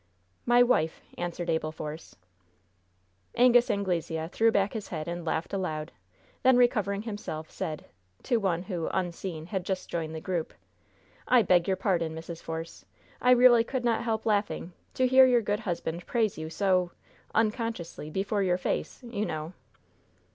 "My wife," answered Abel Force. Angus Anglesea threw back his head and laughed aloud then recovering himself, said to one who, unseen, had just joined the group: "I beg your pardon, Mrs. Force! I really could not help laughing, to hear your good husband praise you so unconsciously before your face! You know."